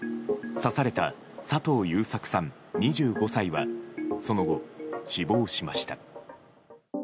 刺された佐藤優作さん、２５歳はその後、死亡しました。